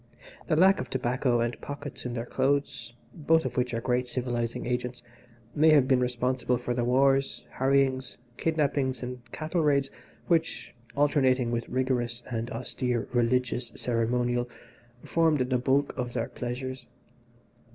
The lack of tobacco and pockets in their clothes (both of which are great civilising agents) may have been responsible for the wars, harryings, kidnappings and cattle raids which, alternating with rigorous and austere religious ceremonial, formed the bulk of their pleasures.